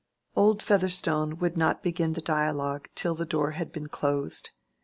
Old Featherstone would not begin the dialogue till the door had been closed.